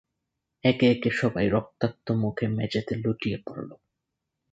একে একে সবাই রক্তাক্ত মুখে মেঝেতে লুটিয়ে পড়ল।